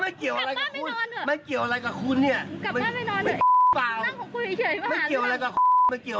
แต่พี่ซื้อของที่รักมันเกี่ยวกับน้องไหม